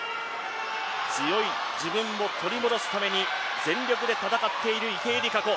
強い自分を取り戻すために全力で戦っている池江璃花子。